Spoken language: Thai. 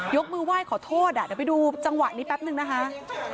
ยกมือไหว้ขอโทษเดี๋ยวไปดูจังหวะนี้แป๊บนึงนะคะ